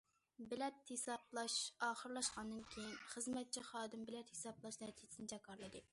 بېلەت ھېسابلاش ئاخىرلاشقاندىن كېيىن، خىزمەتچى خادىم بېلەت ھېسابلاش نەتىجىسىنى جاكارلىدى.